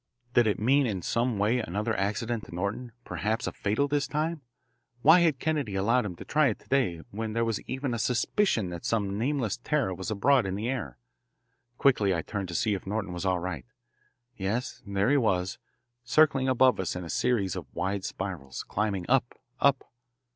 Did it mean in some way another accident to Norton perhaps fatal this time? Why had Kennedy allowed him to try it to day when there was even a suspicion that some nameless terror was abroad in the air? Quickly I turned to see if Norton was all right. Yes, there he was, circling above us in a series of wide spirals, climbing up, up.